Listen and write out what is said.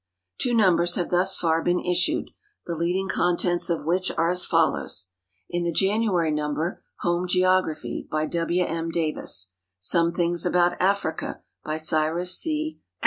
Two numbers have thus far l)een issued, the leailin^' contents of which are as follows : In the January number, "Home (ieoyraphy," by W. M. Davis; "Some Things .About .\frica," by Cyrus C.